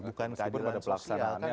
bukan keadilan sosial